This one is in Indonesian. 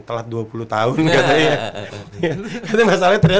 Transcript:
telat dua puluh tahun katanya